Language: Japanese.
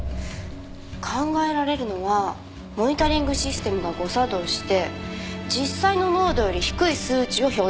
考えられるのはモニタリングシステムが誤作動して実際の濃度より低い数値を表示した。